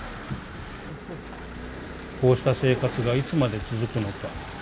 「こうした生活がいつまで続くのか。